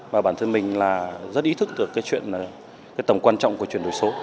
và bản thân mình là rất ý thức được cái chuyện cái tầm quan trọng của chuyển đổi số